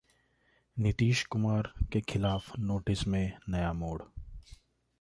नीतीश कुमार के खिलाफ नोटिस में नया मोड़